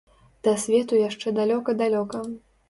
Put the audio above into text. Да свету яшчэ далёка-далёка!